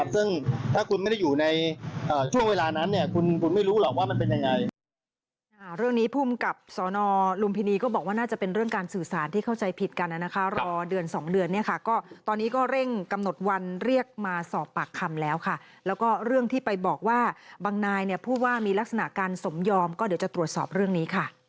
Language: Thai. ซึ่งถ้าคุณไม่ได้อยู่ในช่วงเวลานั้นคุณไม่รู้หรอกว่ามันเป็นยังไง